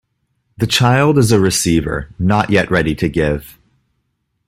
The child is a receiver, not yet ready to give.